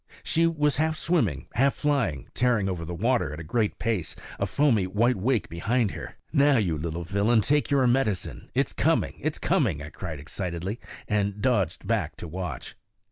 She was half swimming, half flying, tearing over the water at a great pace, a foamy white wake behind her. "Now, you little villain, take your medicine. It's coming; it's coming," I cried excitedly, and dodged back to watch.